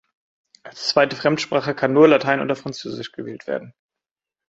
Als zweite Fremdsprache kann nur Latein oder Französisch gewählt werden.